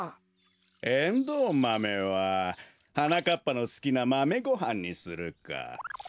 エンドウマメははなかっぱのすきなマメごはんにするか。